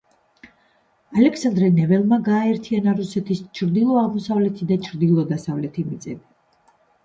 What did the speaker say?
ალექსანდრე ნეველმა გააერთიანა რუსეთის ჩრდილოეთ-აღმოსავლეთი და ჩრდილოეთ-დასავლეთი მიწები.